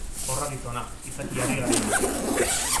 Horra gizona, izaki harrigarri hori!